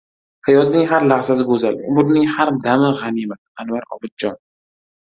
Hayotning har lahzasi go‘zal, Umrning har dami g‘animat. Anvar Obidjon